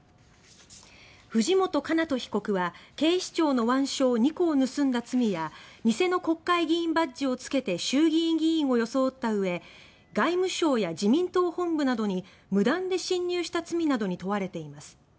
藤本叶人被告は警視庁の腕章２個を盗んだ罪や偽の国会議員バッジをつけて衆議院議員を装ったうえ外務省や自民党本部などに無断で侵入した罪などに問われています。